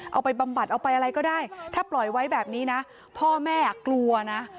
บำบัดเอาไปอะไรก็ได้ถ้าปล่อยไว้แบบนี้นะพ่อแม่กลัวนะ